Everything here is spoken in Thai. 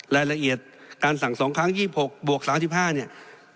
รายละเอียดการสั่ง๒ครั้ง๒๖บวก๓๕เนี่ย